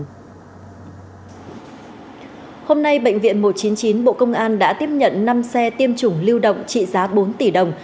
hôm nay bệnh viện một trăm chín mươi chín bộ công an đã tiếp nhận năm xe tiêm chủng lưu động trị giá bốn tỷ đồng